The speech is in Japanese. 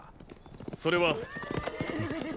それはん！